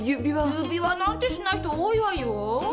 指輪なんてしない人多いわよ。